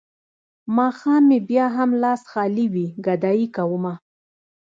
ماښام مې بيا هم لاس خالي وي ګدايي کومه.